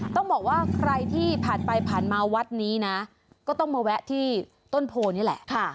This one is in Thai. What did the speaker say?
ต้องบอกว่าใครที่ผ่านไปผ่านมาวัดนี้นะก็ต้องมาแวะที่ต้นโพนี่แหละ